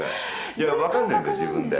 いや、分かんないんだよ、自分で。